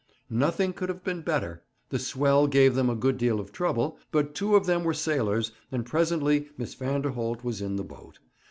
Nothing could have been better. The swell gave them a good deal of trouble, but two of them were sailors, and presently Miss Vanderholt was in the boat.